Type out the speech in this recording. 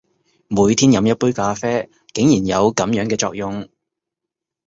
每天飲一杯咖啡，竟然有噉樣嘅作用！